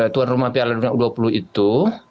tuan rumah piala dua ribu dua puluh itu